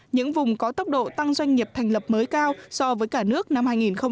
những vùng có tốc độ tăng doanh nghiệp thành lập mới cao so với cả nước năm hai nghìn một mươi tám